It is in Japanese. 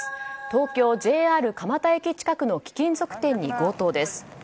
東京・ＪＲ蒲田駅近くの貴金属店に強盗です。